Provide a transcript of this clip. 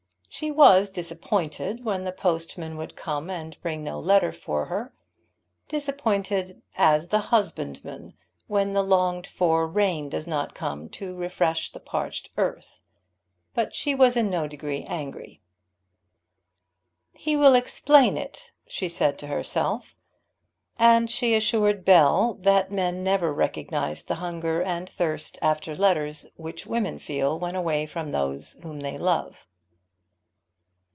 She was disappointed when the postman would come and bring no letter for her, disappointed, as is the husbandman when the longed for rain does not come to refresh the parched earth; but she was in no degree angry. "He will explain it," she said to herself. And she assured Bell that men never recognized the hunger and thirst after letters which women feel when away from those whom they love.